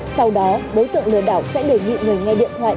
sau đó đối tượng lừa đảo sẽ đề nghị người nghe điện thoại